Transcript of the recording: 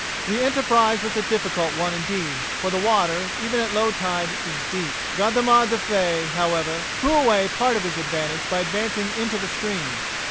The enterprise was a difficult one indeed, for the water, even at low tide, is deep. Godemar du Fay, however, threw away part of his advantage by advancing into the stream.